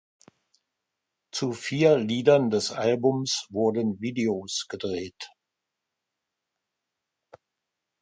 Zu vier Liedern des Albums wurden Videos gedreht.